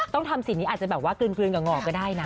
ต้องทำสิ่งนี้อาจจะแบบว่ากลืนกับงอกก็ได้นะ